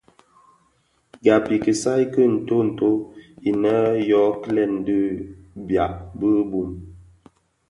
Gab i kisaï ki nton nto inèn yo kilèn di biag bi bum.